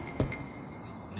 何？